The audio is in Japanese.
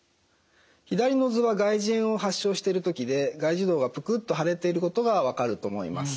左の図は外耳炎を発症している時で外耳道がプクッと腫れていることが分かると思います。